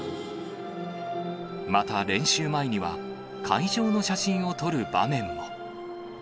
また練習前には、会場の写真を撮る場面も。